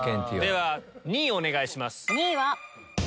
では２位をお願いします。